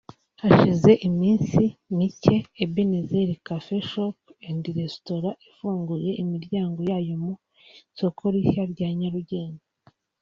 Hashize iminsi mike Ebenezer Coffee Shop and Restaurant ifunguye imiryango yayo mu isoko rishya rya Nyarugenge